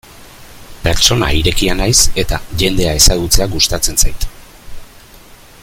Pertsona irekia naiz eta jendea ezagutzea gustatzen zait.